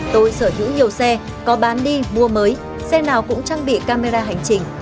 tôi sở hữu nhiều xe có bán đi mua mới xe nào cũng trang bị camera hành trình